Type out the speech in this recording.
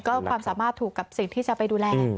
ก็ความสามารถถูกกับสิ่งที่จะไปดูแล